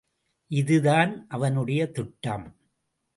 இதுதான் அவனுடைய திட்டம்.